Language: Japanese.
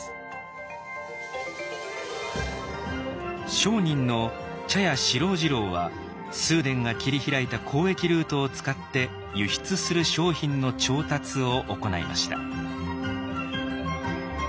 商人の茶屋四郎次郎は崇伝が切り開いた交易ルートを使って輸出する商品の調達を行いました。